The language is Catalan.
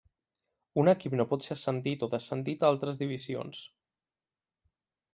Un equip no pot ser ascendit o descendit a altres divisions.